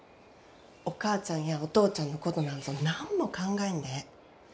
お母ちゃんやお父ちゃんのことなんぞ何も考えんでええ。